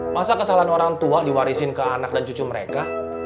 masa kesalahan orang tua diwarisin ke anak dan cucu mereka